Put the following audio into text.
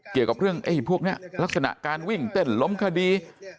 เกี่ยวกับเรื่องพวกนี้ลักษณะการวิ่งเต้นล้มคดี